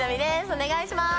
お願いします